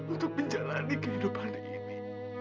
untuk menjalani kehidupan ini